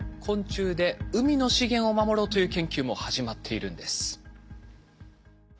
昆虫で海の資源を守ろうという研究も始まっているんです。